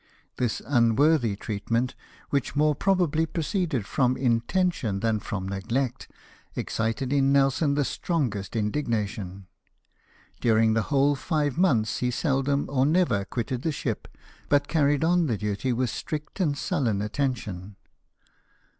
46 LIFE OF NELSON. This unworthy treatment, which more probably pro ceeded from intention than from neglect, excited in Nelson the strongest indignation. During the whole fiYQ months he seldom or never qui'tted the ship, but carried oh the duty with strict and sullen attention.